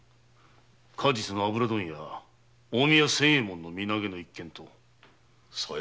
過日の油問屋・近江屋仙右衛門の身投げの一件と。